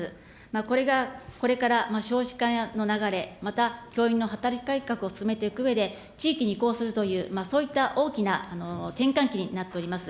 これが、これから少子化の流れ、また教員の働き方改革を進めていくうえで、地域に移行するというそういった大きな転換期になっております。